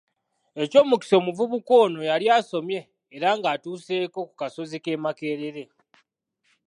Eky'omukisa omuvubuka ono yali asomye era nga atuuseeko ku kasozi ke Makerere.